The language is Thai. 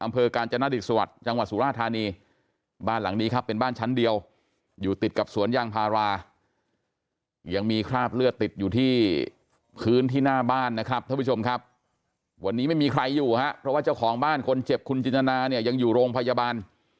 เพราะว่าเจ้าของบ้านคนเจ็บคุณจินทนาเนี่ยยังอยู่โรงพยาบาล